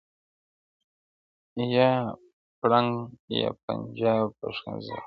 یا فرنګ ته یا پنجاب په ښکنځلو!.